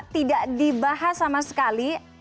tidak dibahas sama sekali